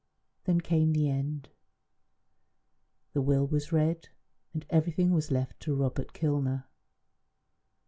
Then came the end. The will was read, and everything was left to Robert Kilner.